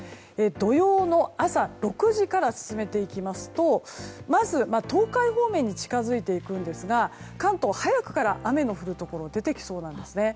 土曜の朝６時から進めていきますとまず、東海方面に近づいていくんですが関東は早くから雨の降るところが出てきそうです。